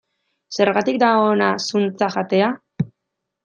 Zergatik da ona zuntza jatea?